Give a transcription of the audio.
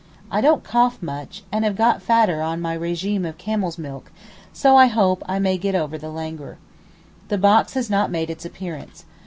I don't cough much, and have got fatter on my régime of camel's milk,—so I hope I may get over the languor. The box has not made its appearance.